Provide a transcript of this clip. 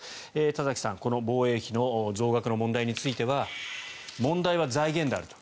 田崎さん、この防衛費の増額の問題については問題は財源であると。